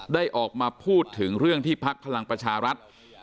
ได้ออกมาพูดถึงเรื่องที่พักพลังประชารัฐ